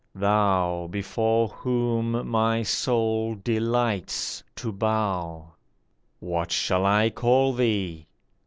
Thou before whom my soul delights to bow ! What shall I call thee